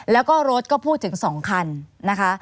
แล้วก็รถก็พูดถึงสองคัน